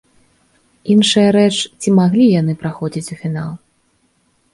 Іншая рэч, ці маглі яны праходзіць у фінал.